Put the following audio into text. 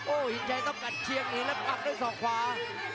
โอ้หินใจต้องกัดเชียงหนีแล้วกลับด้วยส่องขวา